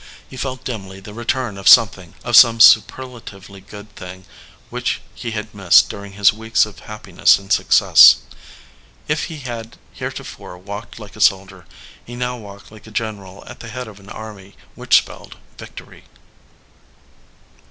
He felt dimly the return of something of some superla tively good thing which he had missed during his weeks of happiness and success. If he had here tofore walked like a soldier, he now walked like a general at the head of an army which spelled victory.